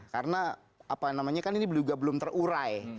karena apa namanya kan ini juga belum terurai